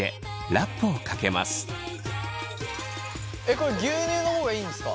これ牛乳の方がいいんですか？